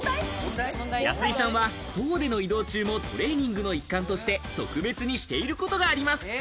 安井さんは徒歩での移動中もトレーニングの一環として特別にしていることがあります。